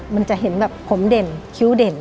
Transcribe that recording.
มันจะเห็นแบบผมเด่นคิ้วเด่น